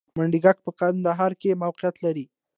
منډیګک په کندهار کې موقعیت لري